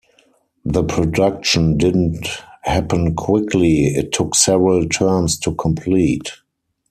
The production didn't happen quickly, it took several terms to complete.